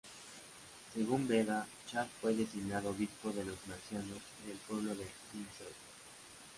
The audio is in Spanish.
Según Beda, Chad fue designado obispo de los Mercianos y del pueblo de Lindsey".